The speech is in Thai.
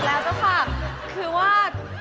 บอกแล้วเจ้าค่ะคือว่า